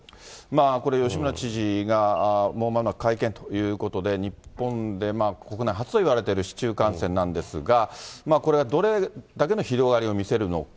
これ、吉村知事がもうまもなく会見ということで、日本で国内初といわれている市中感染なんですが、これがどれだけの広がりを見せるのか。